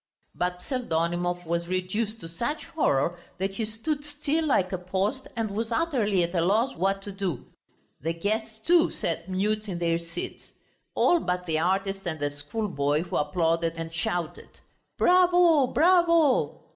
But Pseldonimov was reduced to such horror that he stood still like a post and was utterly at a loss what to do. The guests, too, sat mute in their seats. All but the artist and the schoolboy, who applauded and shouted, "Bravo, bravo!"